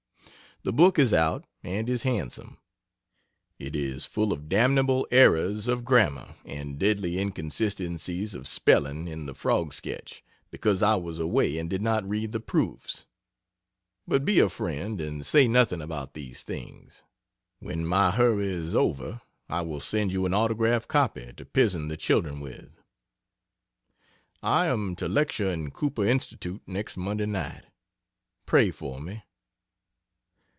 The book is out, and is handsome. It is full of damnable errors of grammar and deadly inconsistencies of spelling in the Frog sketch because I was away and did not read the proofs; but be a friend and say nothing about these things. When my hurry is over, I will send you an autograph copy to pisen the children with. I am to lecture in Cooper Institute next Monday night. Pray for me.